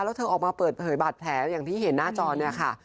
แล้วเธอออกมาเปิดเผยบาดแผลอย่างที่เห็นหน้าจอเนี่ยค่ะ